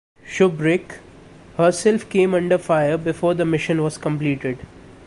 "Shubrick" herself came under fire before the mission was completed.